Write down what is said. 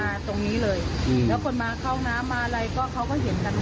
ตรงนี้เลยอืมแล้วคนมาเข้าน้ำมาอะไรก็เขาก็เห็นกัน